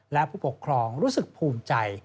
และผู้ปกครองรู้สึกภูมิใจ